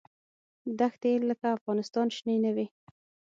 دښتې یې لکه افغانستان شنې نه وې.